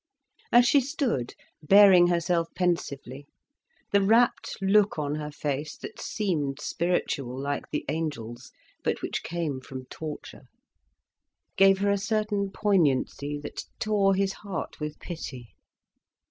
As she stood bearing herself pensively, the rapt look on her face, that seemed spiritual, like the angels, but which came from torture, gave her a certain poignancy that tore his heart with pity.